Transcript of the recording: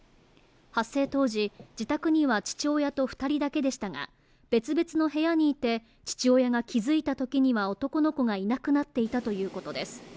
発生当時、自宅には父親と２人だけでしたが、別々の部屋にいて父親が気付いたときには男の子がいなくなっていたということです。